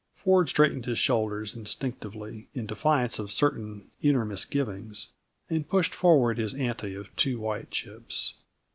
Ford straightened his shoulders instinctively, in defiance of certain inner misgivings, and pushed forward his ante of two white chips.